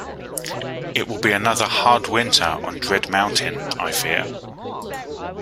It will be another hard winter on Dread Mountain, I fear.